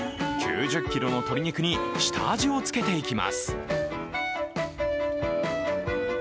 ９０ｋｇの鶏肉に下味をつけていきます。